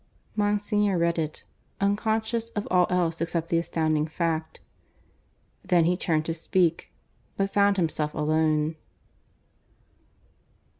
Monsignor read it, unconscious of all else except the astounding fact. Then he turned to speak, but found himself alone.